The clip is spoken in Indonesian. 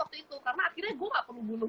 waktu itu karena akhirnya gue gak perlu bunuh